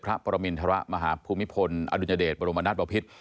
พระปรมิณฑระมหาภูมิพลอดุญเดชบรมนาฏบ่าวพิษ